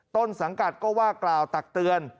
ต้นสังกัดก็ว่ากล่าวตักเตือน